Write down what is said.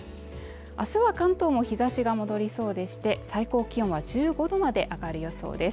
あすは関東も日差しが戻りそうでして、最高気温は１５度まで上がる予想です。